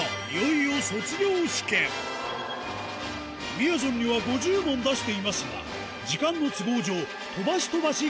みやぞんには５０問出していますが、時間の都合上、さあ、いよいよ卒業試験。